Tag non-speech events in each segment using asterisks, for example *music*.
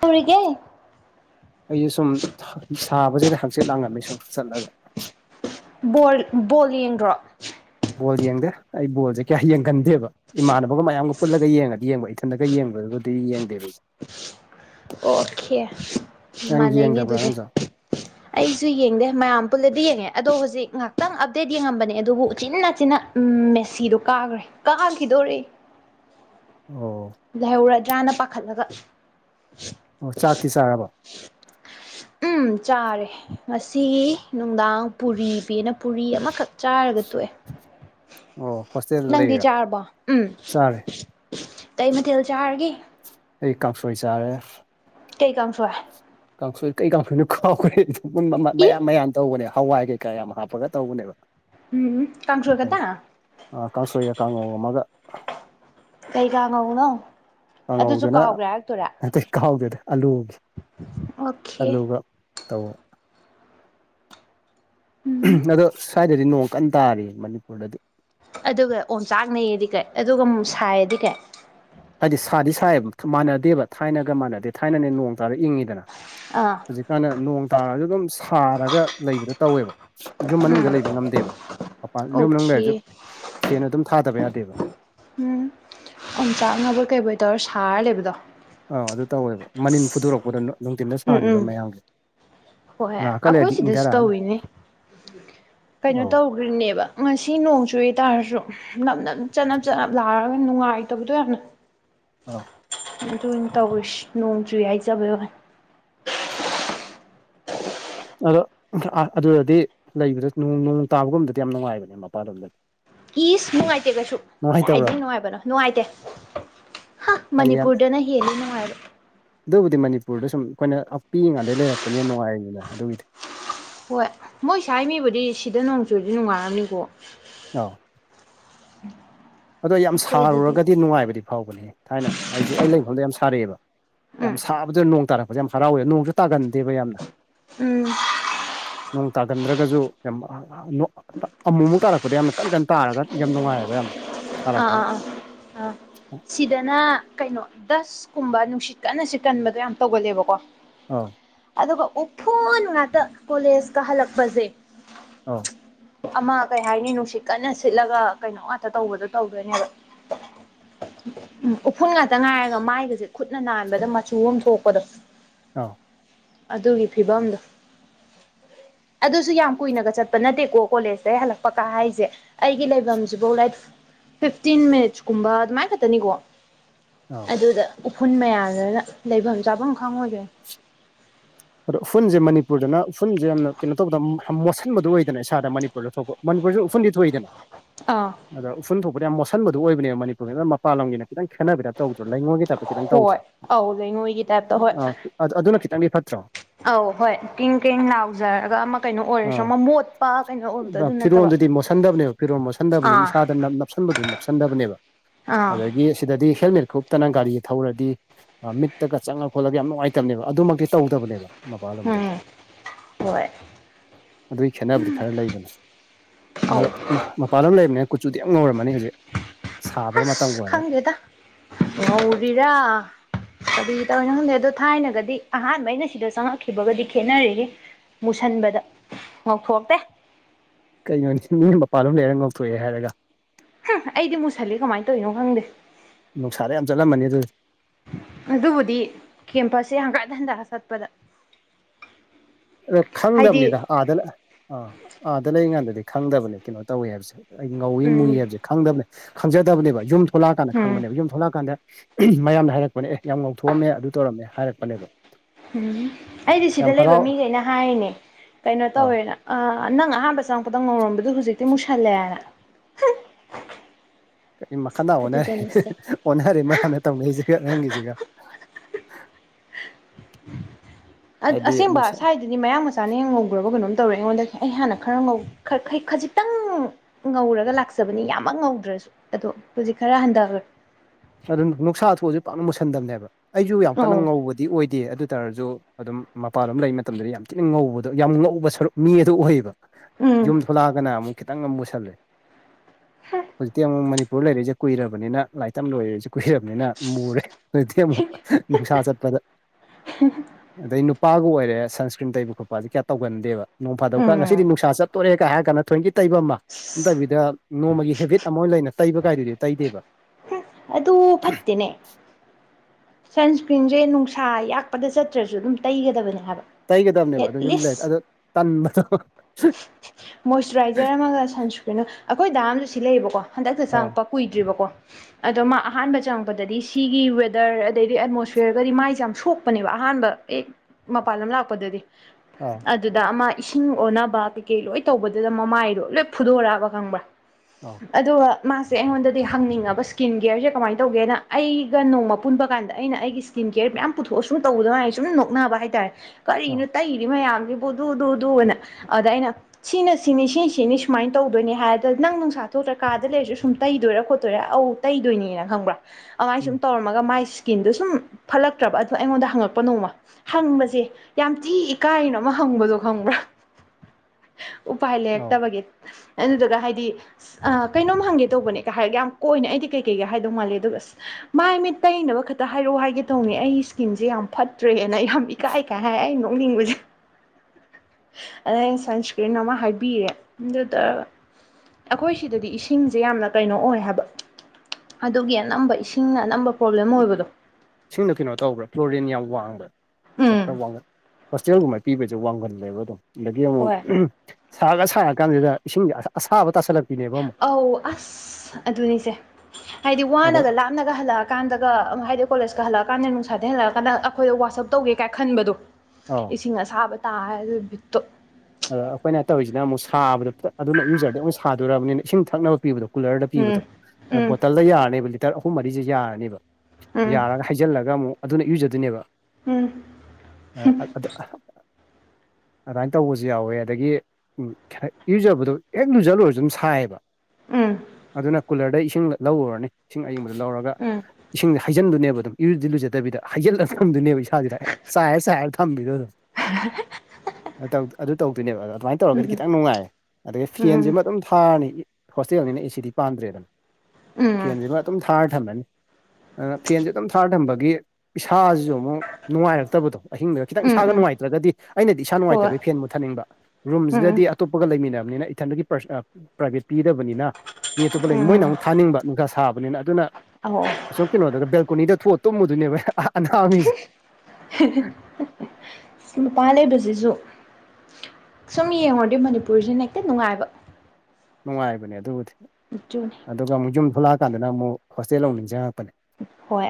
ꯀꯩꯗꯧꯔꯤꯒꯦ ꯑꯩꯁꯦ ꯁꯨꯝ ꯁꯥꯕꯁꯤꯗ ꯍꯪꯆꯤꯠ ꯂꯥꯡꯉꯝꯃꯤ ꯁꯨꯝ ꯆꯠꯂꯒ ꯕꯣꯜ ꯕꯣꯜ ꯌꯦꯡꯗ꯭ꯔꯣ ꯕꯣꯜ ꯌꯦꯡꯗꯦ ꯑꯩ ꯕꯣꯜꯁꯦ ꯀꯌꯥ ꯌꯦꯡꯒꯟꯗꯦꯕ ꯏꯃꯥꯟꯅꯕꯒ ꯃꯌꯥꯝꯒ ꯄꯨꯜꯂꯒ ꯌꯦꯡꯉꯗꯤ ꯌꯦꯡꯕ ꯏꯊꯟꯗꯒ ꯌꯦꯡꯕꯗꯨꯒꯗꯤ ꯌꯦꯡꯗꯦ ꯑꯣ ꯑꯣꯀꯦ ꯅꯪ ꯃꯥꯟꯅꯩꯅꯦ ꯌꯦꯡꯗꯕ꯭ꯔꯥ ꯑꯗꯨꯗꯤ ꯅꯪꯁꯨ ꯑꯩꯁꯨ ꯌꯦꯡꯗꯦ ꯃꯌꯥꯝ ꯄꯨꯜꯂꯗꯤ ꯌꯦꯡꯉꯦ ꯑꯗꯣ ꯍꯧꯖꯤꯛ ꯉꯥꯏꯍꯥꯛꯇꯪ ꯑꯞꯗꯦꯠ ꯌꯦꯡꯉꯝꯕꯅꯦ ꯑꯗꯨꯕꯨꯆꯤꯅꯥ ꯆꯤꯟꯅ ꯎ ꯃꯦꯁꯤꯗꯣ ꯀꯥꯈ꯭ꯔꯦ ꯀꯥꯈꯤꯗꯣꯔꯦ ꯑꯣ ꯂꯩꯍꯧꯔꯗ꯭ꯔꯥꯅ ꯄꯥꯈꯠꯂꯒ ꯑꯣ ꯆꯥꯛꯇꯤ ꯆꯥꯔꯕꯣ *inaudible* ꯎ ꯆꯥꯔꯦ ꯉꯁꯤ ꯅꯨꯡꯗꯥꯡ ꯄꯨꯔꯤ ꯄꯦꯅ ꯄꯨꯔꯤ ꯑꯃꯈꯛ ꯆꯥꯔꯒ ꯇꯣꯛꯑꯦ ꯑꯣ ꯍꯣꯁꯇꯦꯜ ꯅꯪꯗꯤ ꯆꯥꯔꯕꯣ ꯎꯝ ꯀꯩ ꯃꯊꯦꯜ ꯆꯥꯔꯒꯦ ꯑꯩ ꯀꯥꯁꯣꯏ ꯆꯥꯔꯦ ꯀꯩ ꯀꯥꯡꯁꯣꯏ ꯀꯥꯡꯁꯣꯏ ꯀꯩ ꯀꯥꯡꯁꯣꯏꯅꯣ ꯀꯥꯎꯈꯔꯦ ꯏ ꯃꯌꯥꯝ ꯃꯌꯥꯝ ꯇꯧꯕꯅꯦ ꯍꯋꯥꯏ ꯀꯩꯀꯥ ꯌꯥꯝ ꯍꯥꯞꯄꯒ ꯇꯧꯕꯅꯦꯕ ꯎꯝ ꯍꯨꯝ ꯀꯥꯡꯁꯣꯏ ꯈꯛꯇꯥ ꯀꯥꯡꯁꯣꯏꯒ ꯀꯥꯡꯉꯧ ꯑꯃꯒ ꯀꯩ ꯀꯥꯡꯉꯧꯅꯣ ꯑꯗꯨꯁꯨ ꯀꯥꯡꯉꯧꯗꯨꯅ ꯀꯥꯎꯒ꯭ꯔꯦ ꯍꯥꯏꯔꯛꯇꯣꯏꯔꯥ ꯑꯇꯩ ꯀꯥꯎꯈꯔꯦ ꯑꯂꯨ ꯑꯣꯀꯦ ꯑꯂꯨꯒ ꯇꯧ ꯎꯝ ꯑꯗꯣ ꯁ꯭ꯋꯥꯏꯗꯗꯤ ꯅꯣꯡ ꯀꯟꯅ ꯇꯥꯔꯤꯌꯦ ꯃꯅꯤꯄꯨꯔꯗꯗꯤ ꯑꯗꯨꯒ ꯑꯣꯟꯆꯥꯛ ꯅꯩꯌꯦꯗꯤ ꯀꯩ ꯑꯗꯨꯒ ꯑꯃꯨꯛ ꯁꯥꯏꯌꯦꯗꯤ ꯀꯩ ꯍꯥꯏꯗꯤ ꯁꯥꯗꯤ ꯁꯥꯏꯌꯦꯕ ꯃꯥꯟꯅꯗꯦꯕ ꯊꯥꯏꯅꯒ ꯃꯥꯟꯅꯗꯦ ꯊꯥꯏꯅꯅꯥ ꯅꯣꯡ ꯇꯥꯔ ꯏꯪꯉꯤꯗꯅ ꯑꯥ ꯍꯧꯖꯤꯛꯀꯥꯟꯗ ꯅꯣꯡ ꯇꯥꯔꯁꯨ ꯑꯗꯨꯝ ꯁꯥꯔꯒ ꯂꯩꯕꯗ ꯇꯧꯋꯦꯕ ꯌꯨꯝ ꯃꯅꯨꯡꯗ ꯂꯩꯕ ꯉꯝꯗꯦꯕ ꯃꯄꯥꯟ ꯌꯨꯝ ꯃꯅꯨꯡ ꯑꯣꯀꯦ ꯂꯩꯔꯁꯨ ꯐꯦꯟ ꯑꯗꯨꯝ ꯊꯥꯗꯕ ꯌꯥꯗꯦꯕ ꯎꯝ ꯑꯣꯝ ꯆꯥꯛ ꯅꯕꯣꯏ ꯀꯩꯕꯣꯏ ꯇꯧꯔ ꯁꯥꯔ ꯂꯩꯕꯗꯣ ꯑꯥ ꯑꯗꯨ ꯇꯧꯋꯦꯕ ꯃꯅꯤꯟ ꯐꯨꯗꯣꯔꯛꯄꯗ ꯅꯨꯡꯊꯤꯟꯅꯗ ꯎꯝ ꯎꯝ ꯁꯥꯈꯤꯕ ꯃꯌꯥꯝꯗꯣ ꯍꯣꯏ ꯑꯩꯈꯣꯏ ꯁꯤꯗꯁꯨ ꯇꯧꯋꯅꯦ ꯀꯩꯅꯣ ꯑꯧ ꯇꯧ ꯑꯗꯨꯅꯦꯕ ꯉꯁꯤ ꯅꯣꯡ ꯆꯨꯢ ꯇꯥꯥꯔꯁꯨ ꯅꯞ ꯅꯞ ꯆꯠꯅꯞ ꯆꯠꯅꯞ ꯂꯥꯛꯑꯒ ꯅꯨꯡꯉꯥꯏꯇꯕꯗꯣ ꯌꯥꯝꯅ ꯑꯥ ꯑꯗꯨ ꯑꯣꯏꯅ ꯇꯧꯔꯤꯁꯤ ꯅꯣꯡꯇꯨ ꯍꯥꯏꯖꯕꯩ ꯋꯥꯅꯦ ꯑꯗꯣ ꯑꯗꯨꯗꯗꯤ ꯂꯩꯕꯗ ꯅꯣꯡ ꯇꯥꯕꯒꯨꯝꯗꯗꯤ ꯌꯥꯝ ꯅꯨꯡꯉꯥꯏꯕꯅꯦ ꯃꯄꯥꯟꯂꯣꯝꯗꯗꯤ ꯏꯁ ꯅꯨꯡꯉꯥꯏꯇꯦ ꯀꯩꯁꯨ ꯅꯨꯡꯉꯥꯏꯇꯕ꯭ꯔꯥ ꯀꯗꯥꯏꯗꯒꯤ ꯅꯨꯡꯉꯥꯏꯕꯅꯣ ꯅꯨꯡꯉꯥꯏꯇꯦ ꯍꯥ ꯍꯥꯏꯗꯤ ꯌꯥꯝ ꯃꯅꯤꯄꯨꯔꯗꯅ ꯍꯦꯜꯂꯤ ꯅꯨꯡꯉꯥꯏꯕ ꯑꯗꯨꯕꯨꯗꯤ ꯃꯅꯤꯄꯨꯔꯗ ꯁꯨꯝ ꯑꯩꯈꯣꯏꯅ ꯄꯤꯏꯉꯗꯒꯤꯩ ꯂꯩꯔꯛꯄꯅꯦꯅ ꯅꯨꯡꯉꯥꯏꯔꯤꯅꯤꯅꯦ ꯑꯗꯨꯒꯤꯗꯤ ꯍꯣꯏ ꯃꯣꯏꯁꯦ ꯍꯥꯏꯃꯤꯕꯨꯗꯤ ꯁꯤꯗ ꯅꯣꯡ ꯆꯨꯨꯔꯗꯤ ꯅꯨꯡꯉꯥꯏꯔꯝꯅꯤꯀꯣ ꯑꯧ *unintelligible* ꯑꯗꯣ ꯌꯥꯝ ꯑꯩꯈꯣꯏꯗꯗꯤ ꯁꯥꯔꯨꯔꯒꯗꯤ ꯅꯨꯡꯉꯥꯏꯕꯗꯤ ꯐꯥꯎꯕꯅꯦ ꯊꯥꯏꯅ ꯑꯩꯁꯨ ꯑꯩ ꯂꯩꯐꯝꯗ ꯌꯥꯝ ꯁꯥꯔꯛꯑꯦꯕ ꯎꯝ ꯌꯥꯝ ꯁꯥꯕꯗ ꯅꯣꯡ ꯇꯥꯔꯛꯄꯁ ꯌꯥꯝ ꯍꯔꯥꯎꯋꯦ ꯅꯣꯡꯁꯨ ꯇꯥꯒꯟꯗꯦꯕ ꯌꯥꯝꯅ ꯎꯝ ꯅꯣꯡ ꯇꯥꯒꯟꯗ꯭ꯔꯒꯁꯨ ꯌꯥꯝ ꯑꯃꯨꯛꯃꯨꯛ ꯇꯥꯔꯛꯄꯗ ꯌꯥꯝꯅ ꯀꯟ ꯀꯟ ꯇꯥꯔꯒ ꯌꯥꯝ ꯅꯨꯡꯉꯥꯏꯑꯕ ꯌꯥꯝ ꯑꯥ ꯇꯥꯔꯛꯄ ꯑꯥ ꯑꯥ ꯑꯥ ꯁꯤꯗꯅ ꯀꯩꯅꯣ ꯗꯁꯀꯨꯝꯕ ꯅꯨꯡꯁꯤꯠ ꯀꯟꯅ ꯁꯤ ꯀꯟꯕꯗꯣ ꯌꯥꯝ ꯇꯧꯒꯜꯂꯦꯕꯀꯣ ꯑꯥ ꯑꯗꯨꯒ ꯎꯐꯨꯟ ꯉꯥꯛꯇ ꯀꯣꯂꯦꯖ ꯀꯥ ꯍꯜꯂꯛꯄꯖ‌ꯦ ꯑꯣ ꯑꯃ ꯀꯩ ꯍꯥꯏꯅꯤ ꯅꯨꯡꯁꯤꯠ ꯀꯟꯅ ꯁꯤꯠꯂꯒ ꯀꯩꯅꯣ ꯉꯥꯛꯇ ꯇꯧꯕꯗ‌ꯣ ꯇꯧꯗ‌ꯣꯏꯅꯦꯕ ꯎ ꯎꯐꯨꯟ ꯉꯥꯛꯇ ꯉꯥꯏꯔꯒ ꯃꯥꯏꯒꯁꯦ ꯈꯨꯠꯅ ꯅꯥꯟꯕꯗ ꯃꯆꯨ ꯑꯝ ꯊꯣꯛꯄꯗꯣ ꯑꯥꯎ ꯑꯗꯨꯒꯤ ꯐꯤꯕꯝꯗꯣ ꯑꯗꯨꯁꯨ ꯌꯥꯝ ꯀꯨꯏꯅꯒ ꯆꯠꯄ ꯅꯠꯇꯦꯀꯣ ꯀꯣꯂꯦꯖꯇꯩ ꯍꯜꯂꯛꯄ ꯀꯥ ꯍꯥꯏꯖ‌ꯦ ꯑꯩꯒꯤ ꯂꯩꯐꯝꯁꯤꯐꯧ ꯂ‌ꯦꯠ ꯐꯤꯐꯇꯤꯟ ꯃꯤꯅꯤꯠꯁꯀꯨꯝꯕ ꯑꯗꯨꯃꯥꯏꯅ ꯈꯛꯇꯅꯤꯀꯣ ꯑꯧ ꯑꯗꯨꯗ ꯎꯐꯨꯟ ꯃꯌꯥꯝꯗꯨꯅ ꯂꯩꯐꯝ ꯆꯥꯐꯝ ꯈꯪꯉꯣꯏꯗꯩꯅꯤ ꯑꯗꯣ ꯎꯐꯨꯟꯁꯦ ꯃꯅꯤꯄꯨꯔꯗꯅ ꯎꯐꯨꯟꯁꯦ ꯌꯥꯝꯅ ꯀꯩꯅꯣ ꯇꯧꯕꯗ ꯃꯣꯠꯁꯤꯟꯕꯗꯨ ꯑꯣꯏꯗꯅ ꯏꯁꯥꯗ ꯃꯅꯤꯄꯨꯔꯗ ꯊꯣꯛꯄ ꯃꯅꯤꯄꯨꯔꯁꯨ ꯎꯐꯨꯟꯁꯨ ꯊ‌ꯣꯛꯏꯗꯅ ꯑꯥ ꯑꯗ ꯎꯐꯨꯟ ꯊꯣꯛꯄꯗ ꯌꯥꯝ ꯃꯣꯠꯁꯟꯕꯗꯨ ꯑꯣꯏꯕꯅꯦꯕ ꯃꯅꯤꯄꯨꯔꯒꯩꯅ ꯃꯄꯥꯟ ꯂꯝꯒꯤꯅ ꯈꯤꯇꯪ ꯈꯦꯠꯅꯕꯩ ꯇꯥꯏꯞ ꯇꯧꯗ꯭ꯔꯣ ꯂꯩꯉꯣꯏꯒꯤ ꯇꯥꯏꯞꯇ ꯈꯤꯇꯪ ꯍꯣꯏ ꯇꯧꯗ꯭ꯔꯣ ꯑꯧ ꯂꯩꯉꯣꯏꯒꯤ ꯇꯥꯏꯞꯇ ꯍꯣꯏ ꯑꯥ ꯑꯗꯨ ꯑꯗꯨꯅ ꯈꯤꯇꯪꯗꯤ ꯐꯠꯇ꯭ꯔꯣ ꯑꯧ ꯍꯣꯏ ꯀꯦꯡ ꯀꯦꯡ ꯂꯥꯎꯖꯔꯒ ꯑꯃ ꯀꯩꯅꯣ ꯑꯣꯏꯔꯁꯨ ꯑꯃ ꯃ‌ꯣꯠꯄ ꯐꯤꯔꯣꯜꯗꯨꯗꯤ ꯃꯣꯠꯁꯤꯟꯗꯕꯅꯦꯕ ꯐꯤꯔꯣꯜ ꯃꯣꯠꯁꯟꯗꯕꯅꯤ ꯑꯥ ꯏꯁꯥꯗ ꯅꯞ ꯅꯞꯁꯟꯕꯗꯨꯗꯤ ꯅꯞꯁꯟꯗꯕꯅꯦꯕ ꯑꯥ ꯑꯗꯒꯤ ꯁꯤꯗꯗꯤ ꯍꯦꯜꯃꯦꯠꯈꯛ ꯎꯞꯇꯅ ꯒꯥꯔꯤ ꯊꯧꯔꯗꯤ ꯃꯤꯠꯇꯒ ꯆꯪꯉ ꯈꯣꯠꯂꯒ ꯌꯥꯝ ꯅꯨꯡꯉꯥꯏꯇꯕꯅꯦꯕ ꯑꯗꯨꯃꯛꯇꯤ ꯇꯧꯗꯕꯅꯦꯕ ꯃꯄꯥꯟꯂꯣꯝꯗꯗꯤ ꯎꯝ ꯍꯣꯏ ꯑꯗꯨꯏ ꯈꯦꯠꯅꯕꯗꯤ ꯈꯔ ꯂꯩꯕꯅꯤ ꯑꯧ ꯑꯗ ꯃꯄꯥꯟꯂꯝ ꯂꯩꯕꯅꯤꯅ ꯀꯨꯆꯨꯗꯤ ꯌꯥꯝ ꯉꯧꯔꯝꯃꯅꯤ ꯍꯧꯖꯤꯛ ꯁꯥꯕꯒ ꯃꯇꯝꯒ ꯑꯁ ꯑꯣꯏꯔꯦ ꯈꯪꯗ‌‌ꯦꯗ ꯉꯧꯔꯤꯔꯥ ꯀꯔꯤꯗꯤ ꯇꯧꯋꯤꯅ‌ꯣ ꯈꯪꯗꯦ ꯑꯗꯣ ꯊꯥꯏꯅꯒꯗꯤ ꯑꯍꯥꯟꯕ ꯑꯩꯅ ꯁꯤꯗ ꯆꯪꯉꯛꯈꯤꯕꯒꯗꯤ ꯈꯦꯠꯅꯔ‌ꯦꯍ‌ꯦ ꯃꯨꯁꯟꯕꯗ ꯉꯧꯊꯣꯛꯔꯛꯇꯦ ꯀꯩꯅꯣꯅꯤ ꯃꯤ ꯃꯄꯥꯟꯂꯣꯝ ꯂꯩꯔ ꯉꯧꯊꯣꯛꯑꯦ ꯍꯥꯏꯔꯒ ꯑꯩꯗꯤ ꯃꯨꯁꯜꯂꯤ ꯀꯃꯥꯏꯅ ꯇꯧꯔꯤꯅꯣ ꯈꯪꯗꯦ ꯅꯨꯡꯁꯥꯗ ꯌꯥꯝ ꯆꯠꯂꯝꯃꯅꯤ ꯗꯨꯗꯤ ꯑꯗꯨꯕꯨꯗꯤ ꯀꯦꯝꯄꯁꯁꯦ ꯍꯪꯒꯠ ꯍꯟꯗꯥ ꯆꯠꯄꯗ ꯑꯗꯣ ꯍꯥꯏꯗꯤ ꯈꯪꯗꯕꯅꯤꯗ ꯑꯥꯗ ꯑꯥ ꯑꯥꯗ ꯂꯩꯔꯤꯀꯥꯟꯗꯗꯤ ꯈꯪꯗꯕꯅꯤ ꯀꯩꯅꯣ ꯇꯧꯋꯦ ꯍꯥꯏꯕꯁꯦ ꯑꯩ ꯉꯧꯏ ꯎꯝ ꯃꯨꯏ ꯍꯥꯏꯕꯖ‌ꯦ ꯈꯪꯗꯕꯅꯦ ꯈꯪꯖꯗꯕꯅꯦꯕ ꯌꯨꯝ ꯊꯣꯛꯂꯛꯑꯀꯥꯟꯗ ꯎꯝ ꯈꯪꯕꯅꯦꯕ ꯌꯨꯝ ꯊꯣꯛꯂꯛꯑꯀꯥꯟꯗ ꯃꯌꯥꯝꯅ ꯍꯥꯏꯔꯛꯄꯅꯦ ꯑꯦ ꯌꯥꯝ ꯉꯧꯊꯣꯛꯑꯝꯃꯦ ꯑꯗꯨ ꯇꯧꯔꯝꯃꯦ ꯍꯥꯏꯔꯛꯄꯅꯦꯕ ꯎꯝ ꯑꯩꯗꯤ ꯁꯤꯗ ꯌꯥꯝ ꯂꯩꯕ ꯍꯔꯥꯎ ꯃꯤꯈꯩꯅ ꯍꯥꯏꯔꯤꯅꯦ ꯀꯩꯅꯣ ꯑꯥꯎ ꯇꯧꯋꯦꯅ ꯑ ꯅꯪ ꯑꯍꯥꯟꯕ ꯆꯪꯉꯛꯄꯗ ꯉꯧꯔꯝꯕꯗꯨ ꯍꯧꯖꯤꯛꯇꯤ ꯃꯨꯁꯜꯂꯦꯅ ꯃꯤ ꯃꯈꯥꯗ ꯑꯣꯟꯅꯔꯦ ꯑꯗꯨꯗꯅꯤꯁꯦ ꯑꯣꯟꯅꯔꯦ ꯃꯌꯥꯝꯅ ꯇꯧꯅꯩꯖꯤꯒ ꯅꯍꯪꯒꯤꯖꯤꯒ ꯑ ꯍꯥꯏꯗꯤ ꯑꯁꯦꯡꯕ ꯅꯨꯡꯁꯥ ꯁꯥꯏ ꯁꯤꯗꯗꯤ ꯃꯌꯥꯡ ꯃꯆꯥꯅ ꯍ‌ꯦꯟ ꯉꯧꯒ꯭ꯔꯕ ꯀꯩꯅꯣꯝ ꯇꯧꯔꯦ ꯑꯩꯉꯣꯟꯗꯒꯤ ꯑꯩ ꯍꯥꯟꯅ ꯈꯔ ꯉꯧ ꯈꯩ ꯈꯖꯤꯛꯇꯪ ꯉꯧꯔꯒ ꯂꯥꯛꯆꯕꯅꯤ ꯌꯥꯝꯃꯛ ꯉꯧꯗ꯭ꯔꯁꯨ ꯑꯗꯣ ꯍꯨꯖꯤꯛ ꯈꯔ ꯍꯟꯊꯈ꯭ꯔ ꯑꯗꯨꯝ ꯅꯨꯡꯁꯥ ꯊꯣꯛꯑꯖꯨ ꯄꯥꯛꯅ ꯃꯨꯁꯟꯗꯕꯅꯦꯕ ꯑꯩꯖꯨ ꯌꯥꯝ ꯀꯟꯅ ꯑꯧ ꯉꯧꯕꯗꯤ ꯑꯣꯏꯗꯦ ꯑꯗꯨꯏ ꯇꯥꯔꯁꯨ ꯑꯗꯨꯝ ꯃꯄꯥꯟꯂꯣꯝ ꯂꯩ ꯃꯇꯝꯗꯗꯤ ꯌꯥꯝ ꯊꯤꯅ ꯉꯧꯕꯗꯣ ꯌꯥꯝ ꯉꯧꯕ ꯁꯔꯨꯛ ꯃꯤ ꯑꯗꯨ ꯑꯣꯏꯕ ꯎꯝ ꯌꯨꯝꯗ ꯊ‌ꯣꯛꯑꯒꯅ ꯃꯨꯛ ꯈꯤꯇꯪ ꯃꯨꯛ ꯃꯨꯁꯜꯂꯦ ꯍꯧꯖꯤꯛꯇꯤ ꯑꯃꯨꯛ ꯃꯅꯤꯄꯨꯔ ꯂꯩꯔꯛꯏꯖ‌ꯦ ꯀꯨꯏꯔꯕꯅꯤꯅ ꯂꯥꯏ ꯇꯝ ꯂꯣꯏꯔꯦꯁꯨ ꯀꯨꯏꯔꯕꯅꯤꯅ ꯃꯨꯔꯦ ꯍꯧꯖꯤꯛꯇꯤ ꯑꯃꯨꯛ ꯅꯨꯡꯁꯥ ꯆꯠꯄꯗ *unintelligible* ꯑꯗꯩ ꯅꯨꯄꯥꯒ ꯑꯣꯏꯔꯦ ꯁꯟꯁꯀ꯭ꯔꯤꯟ ꯇꯩꯕ ꯈꯣꯠꯄꯁꯦ ꯀꯌꯥ ꯇꯧꯒꯟꯗꯦꯕ ꯅꯣꯡ ꯐꯥꯗꯣꯛꯀꯥ ꯎꯝ ꯉꯁꯤꯗꯤ ꯅꯨꯡꯁꯥ ꯆꯠ ꯇꯣꯔ‌ꯦꯒ ꯍꯥꯏꯔꯀꯥꯟꯗ ꯊꯋ‌ꯣꯏꯀꯤ ꯇꯩꯕ ꯑꯃ ꯅꯠꯇꯕꯤꯗ ꯅꯣꯡꯃꯒꯤ ꯍꯦꯕꯤꯠ ꯑꯃ ꯂꯩꯅ ꯇꯩꯕ ꯀꯥꯏꯗꯨꯗꯤ ꯇꯩꯗꯦꯕ ꯑꯗꯨ ꯐꯠꯇꯦꯅꯦ ꯁꯟꯁꯀ꯭ꯔꯤꯟꯁꯦ ꯅꯨꯡꯁꯥ ꯌꯥꯛꯄꯗ ꯆꯠꯇ꯭ꯔꯁꯨ ꯑꯗꯨꯝ ꯇꯩꯒꯗꯕꯅꯦ ꯍꯥꯏꯕ ꯇꯩꯒꯗꯕꯅꯦꯕ ꯑꯗꯨ ꯌꯨꯝ ꯂꯩꯔ ꯑ ꯇꯟꯕꯗꯣ ꯃꯣꯏꯁꯆꯔꯥꯏꯖꯔ ꯑꯃꯒ ꯁꯟꯁꯀ꯭ꯔꯤꯟ ꯑꯩꯈꯣꯏ ꯗꯥꯝꯖꯨ ꯁꯤ ꯂꯩꯌꯦꯕꯀꯣ ꯍꯟꯗꯛꯇ ꯑꯥ ꯆꯉꯛꯄ ꯀꯨꯏꯗ꯭ꯔꯤꯕꯀꯣ ꯑꯗꯣ ꯃꯥ ꯑꯍꯥꯟꯕ ꯆꯪꯛꯄꯗꯗꯤ ꯁꯤꯒꯤ ꯋꯦꯗꯔ ꯑꯗꯩꯗꯤ ꯑꯦꯠꯃꯣꯁꯐꯤꯌꯔꯒꯗꯤ ꯃꯥꯏꯁꯦ ꯌꯥꯝ ꯁꯣꯛ ꯄꯅꯦꯕ ꯑꯍꯥꯟꯕ ꯑꯦ ꯃꯄꯥꯟ ꯂꯝ ꯂꯥꯛꯄꯗꯗꯤ ꯑꯥ ꯑꯗꯨꯗ ꯑꯃ ꯏꯁꯤꯡ ꯑꯣꯟꯅꯕ ꯀꯩꯀꯩ ꯂꯣꯏ ꯇꯧꯕꯗꯨꯗ ꯃꯃꯥꯏꯗꯣ ꯂꯣꯏ ꯐꯨꯗꯣꯔꯛꯑꯕ ꯈꯪꯕ꯭ꯔꯥ ꯑꯣ ꯑꯗꯨꯒ ꯃꯥꯁꯦ ꯑꯩꯉꯣꯟꯗꯗꯤ ꯍꯪꯅꯤꯡꯉꯕ ꯏꯁ꯭ꯀꯤꯟ ꯀꯦꯌꯔꯁꯦ ꯀꯃꯥꯏꯅ ꯇꯧꯒꯦꯅ ꯑꯩꯒ ꯅꯣꯡꯃ ꯄꯨꯟꯕ ꯀꯥꯟꯗ ꯑꯩꯅ ꯑꯩꯒꯤ ꯏꯁꯀꯤꯟ ꯀꯦꯌꯔ ꯃꯌꯥꯝ ꯄꯨꯊꯣꯛꯑ ꯁꯨꯝ ꯇꯧꯕꯗꯨꯗ ꯃꯥ ꯑꯩ ꯁꯨꯝ ꯅꯣꯛꯅꯕ ꯍꯥꯏꯇꯥꯔꯦ ꯑꯥ ꯀꯔꯤꯅꯣ ꯇꯩꯔꯤ ꯃꯌꯥꯝꯁꯤꯕꯨ ꯗꯨꯗꯨꯗꯨꯅ ꯑꯗ ꯑꯩꯅ ꯁꯤꯅ ꯁꯤꯅꯤ ꯁꯤ ꯁꯤꯅꯤ ꯁꯨꯃꯥꯏꯅ ꯇꯧꯗꯣꯏꯅꯤ ꯍꯥꯏꯗ ꯅꯪ ꯅꯨꯡꯁꯥꯊꯣꯛꯇ꯭ꯔ ꯀꯥꯗ ꯂꯩꯔꯁꯨ ꯁꯨꯝ ꯇꯩꯗꯣꯏꯔꯥ ꯈꯣꯠꯇꯣꯏꯔꯥ ꯑꯧ ꯇꯩꯗꯣꯏꯅꯤꯅ ꯈꯪꯕ꯭ꯔꯥ ꯑꯗꯨꯃꯥꯏ ꯎꯝ ꯁꯨꯝ ꯇꯧꯔ ꯃꯒ ꯃꯥꯏ ꯏꯁꯀꯤꯟꯗ ꯁꯨꯝ ꯐꯠꯂꯛꯇ꯭ꯔꯕ ꯑꯗꯨ ꯑꯩꯉꯣꯟꯗ ꯍꯪꯉꯛꯄ ꯅꯣꯡꯃ ꯍꯪꯕꯁꯦ ꯌꯥꯝ ꯊꯤ ꯏꯀꯥꯏꯅ ꯑꯃ ꯍꯪꯕꯗꯣ ꯈꯪꯕ꯭ꯔꯥ ꯎꯄꯥꯏ ꯑꯥꯎ ꯂꯩꯔꯛꯇꯕꯒꯤ ꯑꯗꯨꯗꯨꯒ ꯍꯥꯏꯗꯤ ꯑꯥ ꯀꯩꯅꯣꯝ ꯍꯪꯒꯦ ꯇꯧꯕꯅꯦ ꯀ ꯍꯥꯏꯔ ꯌꯥꯝ ꯀꯣꯏꯅ ꯑꯩꯗꯤ ꯀꯩ ꯀꯩꯒ ꯍꯥꯏꯗꯧ ꯃꯥꯜꯂꯦ ꯑꯗꯨꯒꯁ ꯃꯥꯏ ꯃꯤꯠ ꯇꯩꯅꯕ ꯈꯤꯠꯇ ꯍꯥꯏꯔꯛꯑꯣ ꯍꯥꯏꯒꯦ ꯇꯧꯅꯦ ꯑꯩꯒꯤ ꯏꯁꯀꯤꯟꯁꯦ ꯌꯥꯝ ꯐꯠꯇ꯭ꯔꯦꯅ ꯌꯥꯝ ꯏꯀꯥꯏ ꯀꯥꯏ ꯍꯥꯏ ꯑꯩ ꯅꯣꯛꯅꯤꯡꯕꯁꯦ ꯑꯗ ꯑꯩꯅ ꯁꯟꯁꯀ꯭ꯔꯤꯟ ꯑꯃ ꯍꯥꯏꯕꯤꯌꯦ ꯑꯗꯨꯗ ꯑꯩꯈꯣꯏ ꯁꯤꯗꯗꯤ ꯏꯁꯤꯡꯁꯦ ꯌꯥꯝꯅ ꯀꯩꯅꯣ ꯑꯣꯏ ꯍꯥꯏꯕ ꯑꯗꯨꯒꯤ ꯑꯅꯝꯕ ꯏꯁꯤꯡꯅ ꯑꯅꯝꯕ ꯄ꯭ꯔꯣꯕ꯭ꯂꯦꯝ ꯑꯣꯏꯕꯗꯣ ꯏꯁꯤꯡꯗ ꯀꯩꯅꯣ ꯇꯧꯕ꯭ꯔꯥ ꯀ꯭ꯂꯣꯔꯤꯟ ꯌꯥꯝ ꯋꯥꯡꯕꯥ ꯋꯥꯈꯜ ꯎꯝ ꯋꯥꯡꯈꯠ ꯍꯣꯁꯇꯦꯜꯒꯨꯝꯕ ꯄꯤꯕꯁꯦ ꯋꯥꯡꯒꯜꯂꯦꯕ ꯑꯗꯨꯝ ꯑꯗꯒꯤ ꯑꯃꯨꯛ ꯍꯣꯏ ꯁꯥꯒ ꯁꯥꯔ ꯀꯥꯟꯁꯤꯗ ꯏꯁꯤꯡꯁꯤ ꯑꯁꯥ ꯑꯁꯥꯕ ꯇꯥꯁꯜꯂꯛꯄ ꯑꯧ ꯑꯁ ꯑꯗꯨꯅꯤꯁꯦ ꯍꯥꯏꯗꯤ ꯑꯗ ꯋꯥꯅꯒ ꯂꯥꯛ ꯅꯒ ꯍꯜꯂꯛꯑꯀꯥꯟꯗꯒ ꯍꯥꯏꯗꯤ ꯀꯣꯂꯦꯖꯀ ꯍꯜꯂꯛꯑꯀꯥꯟꯗ ꯅꯨꯡꯁꯥꯗꯩ ꯍꯜꯂꯛꯑꯀꯥꯟꯗ ꯑꯩꯈꯣꯏꯗ ꯋꯥꯠꯁꯑꯞ ꯇꯧꯒꯦ ꯀꯥꯏ ꯈꯟꯕꯗꯣ ꯑꯧ ꯏꯁꯤꯡ ꯑꯁꯥꯕ ꯇꯥꯔ ꯑꯗꯨ ꯕꯤꯠꯇꯣ ꯑꯗꯣ ꯑꯩꯈꯣꯏꯅ ꯇꯧꯔꯤꯁꯤꯅ ꯑꯃꯨꯛ ꯁꯥꯕꯗꯣ ꯑꯗꯨꯅ ꯏꯔꯨꯖꯔꯗꯤ ꯑꯃꯨꯛ ꯁꯥꯗꯣꯔꯕꯅꯤꯅ ꯏꯁꯤꯡ ꯊꯛꯅꯕ ꯄꯤꯕꯗꯣ ꯀꯨꯂꯔꯗ ꯎꯝ ꯄꯤꯕꯗꯣ ꯎꯝ ꯕꯣꯇꯜꯗ ꯌꯥꯔꯅꯦꯕ ꯂꯤꯇꯔ ꯑꯍꯨꯝ ꯃꯔꯤꯁꯦ ꯌꯥꯔꯅꯦꯕ ꯎꯝ ꯌꯥꯔꯒ ꯍꯩꯖꯤꯜꯂꯒ ꯑꯃꯨꯛ ꯑꯗꯨꯅ ꯏꯔꯨꯖꯗꯣꯏꯅꯦꯕ ꯎꯝ ꯑ ꯑꯗ ꯑꯍ ꯑꯗꯥꯏꯅ ꯇꯧꯕꯁꯨ ꯌꯥꯎꯋꯦ ꯑꯗꯒꯤ ꯎ ꯏꯨꯖꯕꯗꯣ ꯍꯦꯛ ꯂꯨꯖꯜꯂꯣꯏꯔꯁꯨ ꯑꯗꯨꯝ ꯁꯥꯏꯑꯕ ꯎꯝ ꯑꯗꯨꯅ ꯀꯨꯂꯔꯗ ꯏꯁꯤꯡ ꯂꯧꯔꯨꯔꯅꯤ ꯏꯁꯤꯡ ꯑꯌꯤꯡꯕꯗꯨ ꯂꯧꯔꯒ ꯎꯝ ꯏꯁꯤꯡꯗꯤ ꯍꯩꯖꯤꯟꯗꯨꯅꯦꯕ ꯑꯗꯨꯝ ꯏꯔꯨꯗꯤ ꯂꯨꯖꯗꯕꯤꯗ ꯍꯩꯖꯤꯜꯂ ꯊꯝꯗꯣꯏꯅꯦꯕ ꯏꯁꯥꯖꯤꯗ ꯆꯥꯏ ꯆꯥꯏꯔ ꯊꯝꯕꯤꯗꯣ ꯑꯗꯨꯝ ꯑꯗ ꯇꯧ ꯇꯧꯗꯣꯏꯅꯦꯕ ꯑꯣ ꯑꯗꯨꯃꯥꯏꯅ ꯇꯧꯔꯒꯗꯤ ꯎꯝ ꯈꯤꯇꯪ ꯅꯨꯡꯉꯥꯏꯌꯦ ꯑꯗꯒꯤ ꯎꯝ ꯐꯦꯟꯁꯤꯃ ꯑ ꯗꯨꯝ ꯊꯥꯔꯅꯤ ꯍꯣꯁꯇꯦꯜꯅꯤꯅ ꯑꯦꯁꯤꯗꯤ ꯄꯥꯟꯗ꯭ꯔꯦꯗꯅ ꯎꯝ ꯐꯦꯟꯖꯤꯃ ꯑꯗꯨꯝ ꯊꯥꯔ ꯊꯝꯃꯅꯤ ꯑꯗꯨꯅ ꯐꯦꯟꯁꯦ ꯑꯗꯨꯝ ꯊꯥꯔ ꯊꯝꯕꯒꯤ ꯏꯁꯥꯁꯤꯁꯨ ꯑꯃꯨꯛ ꯅꯨꯡꯉꯥꯏꯔꯛꯇꯕꯗꯣ ꯑꯍꯤꯡꯗꯒ ꯈꯤꯇꯪ ꯎꯝ ꯏꯁꯥꯒ ꯎꯝ ꯅꯨꯡꯉꯥꯏꯇ꯭ꯔꯒꯗꯤ ꯑꯩꯅꯗꯤ ꯏꯁꯥ ꯍꯣꯏ ꯅꯨꯡꯉꯥꯏꯇꯕꯒꯤ ꯐꯦꯟ ꯃꯨꯠꯊꯠꯅꯤꯡꯕ ꯎꯝ ꯔꯨꯝꯁꯤꯗꯗꯤ ꯑꯇꯣꯞꯄꯒ ꯂꯩꯃꯤꯟꯅꯕꯅꯤꯅ ꯏꯊꯟꯗꯒꯤ ꯄ꯭ꯔꯁ ꯑ ꯄ꯭ꯔꯥꯏꯚꯦꯠ ꯄꯤꯗꯕꯅꯤꯅ ꯃꯤ ꯑꯇꯣꯞꯄ ꯂꯩ ꯎꯝ ꯃꯣꯏꯅ ꯑꯃꯨꯛ ꯊꯥꯅꯤꯡꯕ ꯅꯨꯡꯁꯥ ꯁꯥꯕꯅꯤꯅ ꯑꯗꯨꯅ ꯑꯣ ꯁꯨꯝ ꯀꯩꯅꯣꯗꯒ ꯕꯦꯜꯀꯣꯅꯤꯗ ꯊꯣꯛꯑ ꯇꯨꯝꯃꯨꯗꯣꯏꯅꯦꯕ ꯑꯅꯥꯕ ꯃꯤꯁꯤ ꯍꯤꯍꯤ ꯃꯄꯥꯟ ꯂꯩꯕꯁꯤꯁꯨ ꯁꯨꯝ ꯌꯦꯡꯉꯨꯔꯗꯤ ꯃꯅꯤꯄꯨꯔꯁꯤꯅ ꯍꯦꯛꯇ ꯅꯨꯡꯉꯥꯏꯕ ꯅꯨꯡꯉꯥꯏꯕꯅꯦ ꯑꯗꯨꯕꯨꯗꯤ ꯅꯆꯅꯤ *unintelligible* ꯑꯗꯨꯒ ꯑꯃꯨꯛ ꯌꯨꯝ ꯊꯣꯛꯂꯛꯑꯀꯥꯟꯗꯅ ꯑꯃꯨꯛ ꯍꯣꯁꯇꯦꯜ ꯑꯃ ꯅꯤꯡꯁꯤꯡꯉꯛꯄꯅꯦ ꯍꯣꯏ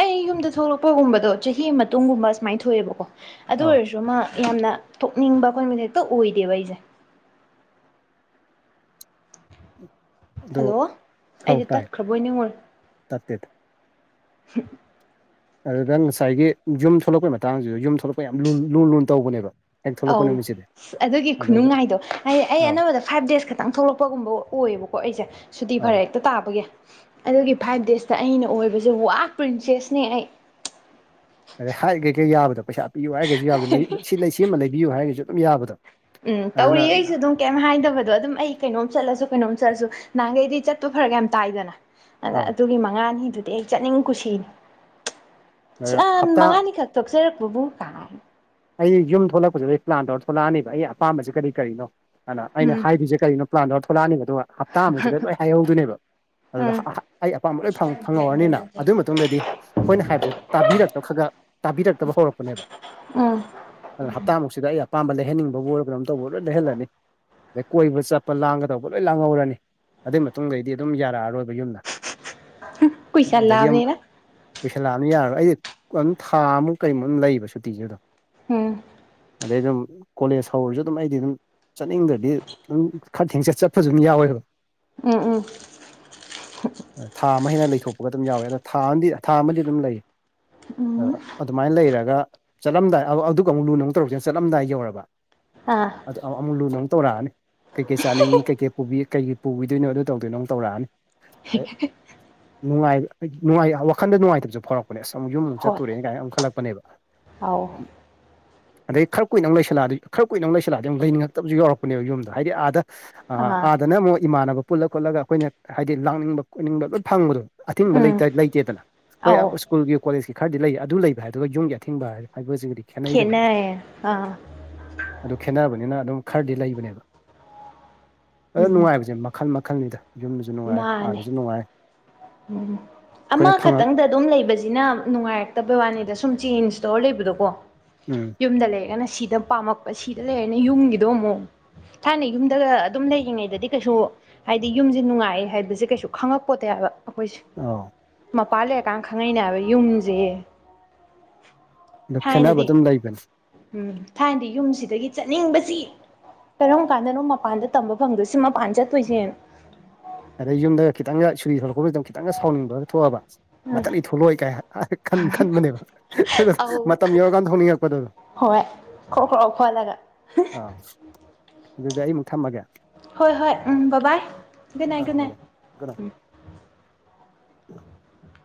ꯑꯩ ꯌꯨꯝꯗ ꯊꯣꯛꯂꯛꯄꯒꯨꯝꯕꯗꯣ ꯆꯍꯤ ꯃꯇꯨꯡꯒꯨꯝꯕ ꯁꯁꯨꯃꯥꯏꯅ ꯊꯣꯛꯑꯦꯕꯀꯣ ꯑꯗꯨ ꯑꯧ ꯑꯣꯏꯔꯁꯨ ꯃꯥ ꯌꯥꯝꯅ ꯊꯣꯛꯅꯤꯡꯕ ꯑꯩꯈꯣꯏꯕ ꯍꯦꯛꯇ ꯑꯣꯏꯗꯦꯕ ꯑꯩꯁꯦ ꯑꯗꯨ ꯍꯜꯂꯣ ꯍꯥꯎ ꯑꯩꯁꯦ ꯇꯥꯏ ꯇꯠꯈ꯭ꯔꯕꯣꯏ ꯅꯤꯡꯉꯨꯔꯦ ꯇꯠꯇꯦꯗ ꯑꯗꯨꯗ ꯉꯁꯥꯏꯒꯤ ꯌꯨꯝ ꯊꯣꯛꯂꯛꯄꯩ ꯃꯇꯥꯡꯁꯤꯗ ꯌꯨꯝ ꯊꯣꯛꯂꯛꯄ ꯌꯥꯝ ꯂꯨ ꯂꯨꯅ ꯇꯧꯕꯅꯦꯕ ꯍꯦꯛ ꯊꯣꯛꯂꯛꯄ ꯑꯧ ꯅꯨꯃꯤꯁꯤꯗꯤ ꯑꯁ ꯑꯗꯨꯒꯤ ꯈꯨꯅꯨꯡꯉꯥꯏꯗꯣ ꯍꯥꯏꯗꯤ ꯑꯩ ꯑꯅꯝꯕꯅ ꯐꯥꯏꯚ ꯗꯦꯖ ꯈꯛꯇꯪ ꯊꯣꯛꯂꯛꯄꯒꯨꯝꯕ ꯑꯣꯏꯌꯦꯕꯀꯣ ꯑꯩꯁꯦ ꯁꯨꯗꯤ ꯑꯧ ꯐꯔꯦꯠ ꯇꯥꯕꯒꯤ ꯑꯗꯨꯒꯤ ꯐꯥꯏꯚ ꯗꯦꯖꯇ ꯑꯩꯅ ꯑꯣꯏꯕꯁꯦ ꯋꯥ ꯄ꯭ꯔꯤꯟꯁꯦꯁꯅꯦ ꯑꯩ ꯑꯗꯩ ꯍꯥꯏꯔꯤꯒꯩ ꯌꯥꯕꯗꯣ ꯄꯩꯁꯥ ꯄꯤꯌꯨ ꯍꯥꯏꯔꯒꯁꯨ ꯌꯥꯕꯗꯨ ꯁꯤ ꯂꯩ ꯁꯤꯃ ꯂꯩꯕꯤꯌꯨ ꯍꯥꯏꯔꯒꯁꯨ ꯑꯗꯨꯝ ꯌꯥꯕꯗꯣ ꯎꯝ ꯑꯗꯨꯅ ꯇꯧꯔꯤꯌꯦ ꯑꯩꯁꯨ ꯑꯗꯨꯝ ꯀꯩꯝ ꯍꯥꯏꯗꯕꯗꯣ ꯑꯗꯨꯝ ꯑꯩ ꯀꯩꯅꯣꯝ ꯆꯠꯂꯁꯨ ꯀꯩꯅꯣꯝ ꯆꯠꯂꯁꯨ ꯅꯍꯥꯟꯈꯩꯗꯤ ꯆꯠꯄꯨ ꯐꯔ ꯀ ꯌꯥꯝ ꯇꯥꯏꯗꯅ ꯑꯗ ꯑꯧ ꯑꯗꯨꯒꯤ ꯃꯉꯥꯅꯤꯗꯨꯗꯤ ꯑꯩ ꯆꯠꯅꯤꯡ ꯀꯨꯁꯤꯅꯤ ꯍꯞꯇꯥ ꯃꯉꯥꯅꯤꯈꯛ ꯊꯣꯛꯆꯔꯛꯄꯕꯨ ꯀꯥ ꯑꯩ ꯌꯨꯝ ꯊꯣꯛꯂꯛꯄꯁꯤꯗ ꯑꯩ ꯄ꯭ꯂꯥꯟ ꯇꯧꯔ ꯊꯣꯛꯂꯛꯑꯅꯦꯕ ꯑꯩ ꯑꯄꯥꯝꯕꯕꯁꯤꯦ ꯀꯔꯤ ꯀꯔꯤꯣ ꯑꯗꯨꯅ ꯑꯩꯅ ꯎꯝ ꯍꯥꯏꯔꯤꯁꯦ ꯀꯔꯤꯅꯣ ꯄ꯭ꯂꯥꯟꯗꯧꯔ ꯊꯣꯛꯂꯛꯑꯅꯦꯕ ꯑꯗꯨꯒ ꯍꯞꯇꯥꯃꯨꯛꯁꯤꯗ ꯂꯣꯏ ꯍꯥꯏꯍꯧꯗꯣꯏꯅꯦꯕ ꯑꯗꯨꯗ ꯎꯝ ꯑꯩ ꯑꯄꯥꯝꯕ ꯂꯣꯏ ꯐꯪꯍꯧꯔꯅꯤꯅ ꯑꯗꯨꯒꯤ ꯃꯇꯨꯡꯗꯗꯤ ꯑꯩꯈꯣꯏꯅ ꯍꯥꯏꯕꯁꯦ ꯇꯥꯕꯤꯔꯛꯇ ꯈꯒ ꯇꯥꯕꯤꯔꯛꯇꯕ ꯍꯧꯔꯛꯄꯅꯦꯕ ꯎꯝ ꯑꯗꯨꯗ ꯍꯞꯇꯥꯃꯨꯛꯁꯤꯗ ꯑꯩ ꯑꯄꯥꯝꯕ ꯂꯩꯍꯟꯅꯤꯡꯕꯕꯨ ꯑꯣꯏꯔ ꯀꯩꯅꯣꯝ ꯇꯧꯕ ꯂꯣꯏ ꯂꯩꯍꯜꯂꯅꯤ ꯑꯗꯩ ꯀꯣꯏꯕ ꯆꯠꯄ ꯂꯥꯡꯒꯗꯧꯕ ꯂꯣꯏ ꯂꯥꯡꯍꯧꯔꯅꯤ ꯑꯗꯨꯏ ꯃꯇꯨꯡꯗꯗꯒꯤꯗꯤ ꯑꯗꯨꯝ ꯌꯥꯔꯛꯑꯔꯣꯏꯕ ꯌꯨꯝꯗ ꯑꯗꯒꯤ ꯑꯃꯨꯛ ꯀꯨꯏꯁꯜꯂꯛꯑꯕꯅꯤꯅ ꯀꯨꯏꯁꯟꯂꯛꯑꯝꯅꯤꯑ ꯌꯥꯔꯔꯣꯏ ꯑꯩ ꯑꯗꯨꯝ ꯊꯥꯃꯨꯛ ꯀꯩꯃꯨꯛ ꯂꯩꯕ ꯁꯨꯇꯤꯁꯤ ꯑꯗꯨꯝ ꯎꯝ ꯑꯗꯩ ꯑꯗꯨꯝ ꯀꯣꯂꯦꯖ ꯍꯧꯔꯁꯨ ꯑꯗꯨꯝ ꯑꯩꯗꯤ ꯑꯗꯨꯝ ꯆꯠꯅꯤꯡꯗ꯭ꯔꯗꯤ ꯑꯗꯨꯝ ꯈꯔ ꯊꯦꯡꯆꯠ ꯆꯠꯄꯁꯨ ꯑꯗꯨꯝ ꯌꯥꯎꯋꯦꯕ ꯎꯝ ꯎꯝ ꯊꯥ ꯑꯃ ꯍꯦꯟꯅ ꯂꯩꯊꯣꯛꯄꯒ ꯑꯗꯨꯝ ꯌꯥꯎꯏꯦ ꯑꯗꯣ ꯊꯥ ꯑꯃꯗꯤ ꯊꯥ ꯑꯃꯗꯤ ꯑꯗꯨꯝ ꯂꯩ ꯎꯝ ꯑꯗꯨꯃꯥꯏꯅ ꯂꯩꯔꯒ ꯆꯠꯂꯝꯗꯥꯏ ꯑꯗꯨꯒ ꯑꯃꯨꯛ ꯂꯨ ꯅꯨꯛ ꯇꯧꯔꯛꯁꯤꯅ ꯆꯠꯂꯝꯗꯥꯏ ꯌꯧꯔꯕ ꯑꯥ ꯑꯗꯨ ꯑꯃꯨꯛ ꯂꯨ ꯑꯃꯨꯛ ꯇꯧꯔꯛꯑꯅꯤ ꯀꯩꯀꯩ ꯆꯥꯅꯤꯡꯉꯤ ꯀꯩꯀꯩ ꯀꯩ ꯄꯨꯕꯤꯗꯣꯏꯅꯣ ꯑꯗꯨ ꯇꯧꯗꯣꯏꯅꯣ ꯇꯧꯔꯛꯑꯅꯤ ꯅꯨꯡꯉꯥꯏ ꯅꯨꯡꯉꯥꯏ ꯋꯥꯈꯟꯗ ꯅꯨꯡꯉꯥꯏꯇꯕꯁꯨꯦ ꯐꯥꯎ ꯑꯁꯨꯝ ꯌꯨꯝꯗ ꯍꯣꯏ ꯆꯠꯇꯨꯔꯦꯗꯅ ꯀꯥꯏꯅ ꯑꯃꯛ ꯈꯜꯂꯛꯄꯅꯦꯕ ꯑꯧ ꯑꯗꯩ ꯈꯔ ꯀꯨꯏꯅ ꯂꯩꯁꯤꯜꯂꯑꯗꯤ ꯈꯔ ꯀꯨꯏꯅ ꯂꯩꯁꯤꯜꯂꯑꯗꯤ ꯂꯩꯅꯤꯡꯉꯛꯇꯕꯁꯨ ꯌꯥꯎꯛꯄꯅꯦꯕ ꯌꯨꯝꯗ ꯍꯥꯏꯗꯤ ꯑꯥꯗ ꯑ ꯑꯥ ꯑꯥꯗꯅ ꯑꯃꯨꯛ ꯏꯃꯥꯟꯅꯕ ꯄꯨꯜꯂ ꯈꯣꯠꯂꯒ ꯑꯩꯈꯣꯏꯅ ꯍꯥꯏꯗꯤ ꯂꯥꯛꯅꯤꯡꯕ ꯈꯣꯠꯅꯤꯡꯕ ꯂꯣꯏ ꯐꯪꯕꯗꯣ ꯑꯊꯤꯡꯕ ꯎꯝ ꯂꯩꯇ ꯂꯩꯇꯦꯗꯅ ꯍꯣꯏ ꯑꯧ ꯁ꯭ꯀꯨꯜꯒꯤ ꯀꯣꯂꯦꯖꯀꯤ ꯈꯔꯗꯤ ꯂꯩ ꯑꯗꯨ ꯂꯩꯕ ꯍꯥꯏꯗꯨꯒ ꯌꯨꯝꯒꯤ ꯑꯊꯤꯡꯕ ꯍꯥꯏꯕꯁꯤꯒꯗꯤ ꯈꯦꯠꯅꯩꯗꯅ ꯈꯦꯅꯌꯦ ꯑꯗꯨ ꯈꯦꯠꯅꯕꯅꯤꯅ ꯑꯗꯨꯝ ꯈꯔꯗꯤ ꯂꯩꯕꯅꯦꯕ ꯑꯗꯨꯗ ꯎꯝ ꯅꯨꯡꯉꯥꯏꯕꯁꯦ ꯃꯈꯜ ꯃꯈꯜꯅꯤꯗ ꯌꯨꯝꯗꯁꯨ ꯅꯨꯡꯉꯥꯏ ꯃꯥꯅꯦ ꯑꯥꯗꯁꯨ ꯅꯨꯡꯉꯥꯏ ꯎꯝ ꯑꯃ ꯑꯩꯈꯣꯏꯅ ꯐꯪꯉꯛ ꯈꯛꯇꯪꯗ ꯑꯗꯨꯝ ꯂꯩ ꯁꯤꯅ ꯅꯨꯡꯉꯥꯏꯔꯛꯇꯕ ꯋꯥꯅꯤꯗ ꯁꯨꯝ ꯆꯦꯟꯁꯇꯧꯔ ꯂꯩꯕꯗꯣꯀꯣ ꯎꯝ ꯌꯨꯝꯗ ꯂꯩꯔꯒꯅ ꯁꯤꯗ ꯄꯥꯝꯃꯛꯄ ꯁꯤꯗ ꯂꯩꯔꯒꯅ ꯌꯨꯝꯒꯤꯗꯣ ꯑꯃꯨꯛ ꯊꯥꯏꯅ ꯌꯨꯝꯗꯒ ꯑꯗꯨꯝ ꯂꯩꯔꯤꯉꯩꯗꯗꯤ ꯀꯩꯁꯨ ꯍꯥꯏꯗꯤ ꯌꯨꯝꯁꯦ ꯅꯨꯡꯉꯥꯏ ꯍꯥꯏꯕꯁꯦ ꯀꯩꯁꯨ ꯈꯪꯉꯛꯄꯣꯠꯇ ꯍꯥꯏꯕ ꯑꯩꯈꯣꯏꯁꯦ ꯑ ꯃꯄꯥꯟ ꯂꯩꯔꯀꯥꯟ ꯈꯪꯅꯩꯅꯦ ꯍꯥꯏꯕ ꯌꯨꯝꯁꯦ ꯑꯗꯨ ꯈꯦꯠꯅꯕ ꯊꯥꯏꯅꯗꯤ ꯑꯗꯨꯝ ꯂꯩꯕꯅꯤ ꯎꯝ ꯊꯥꯏꯅꯗꯤ ꯌꯨꯝꯁꯤꯗꯒꯤ ꯆꯠꯅꯤꯡꯕꯁꯤ ꯀꯔꯝ ꯀꯥꯟꯗꯅꯣ ꯃꯄꯥꯟꯗ ꯇꯝꯕ ꯐꯪꯗꯣꯏꯁꯤ ꯃꯄꯥꯟ ꯆꯠꯇꯣꯏꯁꯦꯅ ꯑꯗꯩ ꯌꯨꯝꯗ ꯈꯤꯪꯒ ꯁꯨꯔꯤ ꯊꯂꯛꯄꯁꯤꯗꯪ ꯈꯤꯇꯪ ꯁꯥꯎꯅꯤꯡꯕꯒ ꯊꯣꯛꯑꯕ ꯎꯝ ꯃꯇꯝ ꯑꯩ ꯊꯣꯛꯂꯛꯑꯣꯏ ꯀꯥꯏ ꯈꯟꯕꯅꯦꯕ ꯑꯗꯣ ꯑꯧ ꯃꯇꯝ ꯌꯧꯔꯀꯥꯟꯗ ꯊꯣꯛꯅꯤꯡꯉꯛꯄꯗꯨ ꯍꯣꯏ ꯈ꯭ꯔꯣ ꯀ꯭ꯔꯣ ꯈꯣꯠꯂꯒ ꯑꯥꯎ ꯑꯗꯨꯗꯤ ꯑꯩꯃꯨꯛ ꯊꯝꯃꯒꯦ ꯍꯣꯏ ꯍꯣꯏ ꯎꯝ ꯕꯕꯥ ꯑꯥ ꯃꯣ ꯈꯨꯗꯥꯝ *unintelligible*